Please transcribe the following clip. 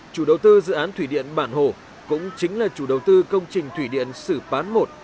chủ đầu tư dự án thủy điện bản hồ cũng chính là chủ đầu tư công trình thủy điện sử bán một